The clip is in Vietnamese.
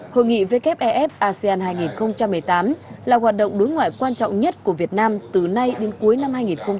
hội nghị wef asean hai nghìn một mươi tám là hoạt động đối ngoại quan trọng nhất của việt nam từ nay đến cuối năm hai nghìn một mươi chín